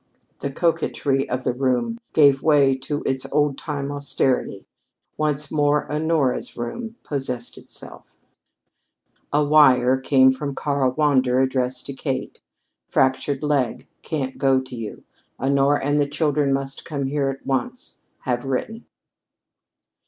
The coquetry of the room gave way to its old time austerity; once more Honora's room possessed itself. A wire came from Karl Wander addressed to Kate. "Fractured leg. Can't go to you. Honora and the children must come here at once. Have written."